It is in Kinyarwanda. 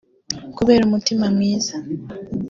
Kubera umutima mwiza